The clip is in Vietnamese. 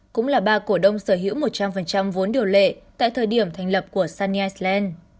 cũng là ba cổ đông sở hữu một trăm linh vốn điều lệ tại thời điểm thành lập của sanny slad